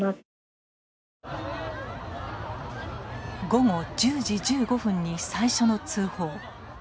午後１０時１５分に最初の通報。